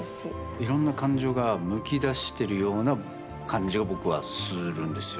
いろんな感情がむき出してるような感じを僕はするんですよ。